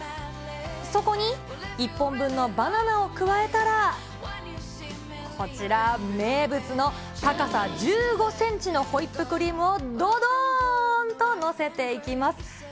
そこに、１本分のバナナを加えたら、こちら、名物の高さ１５センチのホイップクリームをどどーんと載せていきます。